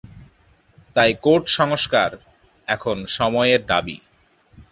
তাই কোট সংস্কার এখন সময়ের দাবি।